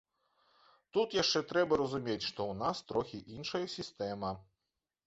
Тут яшчэ трэба разумець, што ў нас трохі іншая сістэма.